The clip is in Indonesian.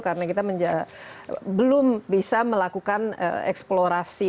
karena kita belum bisa melakukan eksplorasi